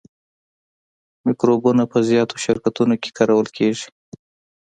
مکروبونه په زیاتو شرکتونو کې کارول کیږي.